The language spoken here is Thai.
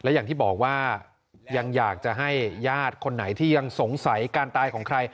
อย่างที่บอกว่ายังอยากจะให้ญาติคนไหนที่ยังสงสัยการตายของใคร